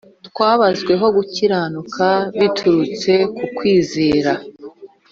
twabazweho gukiranuka biturutse ku kwizera